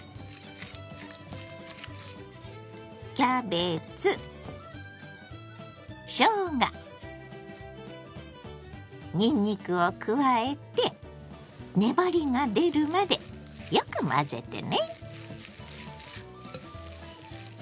キャベツしょうがにんにくを加えて粘りが出るまでよく混ぜてね。